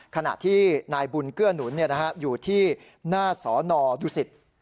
ขณะที่นายบุญเกื้อหนุนอยู่ที่หน้าสอนอดุสิต